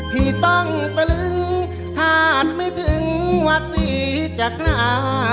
พี่ต้องตะลึงผ่านไม่ถึงวัดศรีจากหน้า